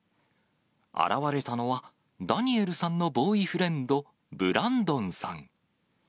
現れたのは、ダニエルさんのボーイフレンド、ブランドンさん。